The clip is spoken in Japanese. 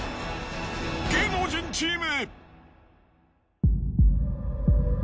芸能人チーム。